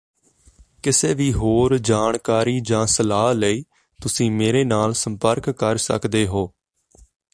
ਕਿਸੇ ਵੀ ਹੋਰ ਜਾਣਕਾਰੀ ਜਾਂ ਸਲਾਹ ਲਈ ਤੁਸੀਂ ਮੇਰੇ ਨਾਲ ਸੰਪਰਕ ਕਰ ਸਕਦੇ ਹੋ